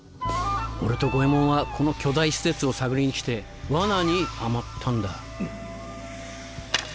俺と五ェ門はこの巨大施設を探りに来て罠にはまったんだ